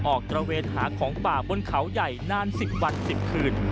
ออกจราเวทหาของป่าบนเขาใหญ่นานสิบวันสิบคืน